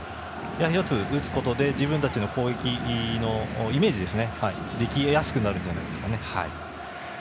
シュートを打つことで自分たちの攻撃のイメージができやすくなるんじゃないですかね。